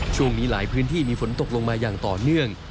ช่วงนี้หลายพื้นที่มีฝนตกลงมาอย่างต่อเนื่อง